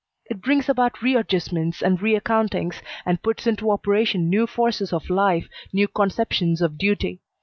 It brings about readjustments and reaccountings, and puts into operation new forces of life, new conceptions of duty.